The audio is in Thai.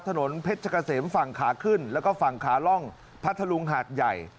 ถนนเพศจกเสมฝั่งขาขึ้นและฝั่งขาร่องพทรรุงหาดใหญ่